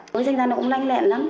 tối danh ra nó cũng lanh lẹn lắm